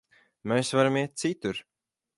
Mēs varam iet citur.